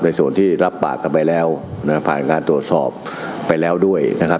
ส่วนที่รับปากกันไปแล้วนะผ่านการตรวจสอบไปแล้วด้วยนะครับ